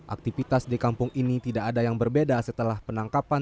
aktivitas di kampung ini tidak ada yang berbeda setelah penangkapan